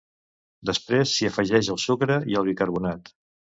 després s'hi afegeix el sucre i el bicarbonat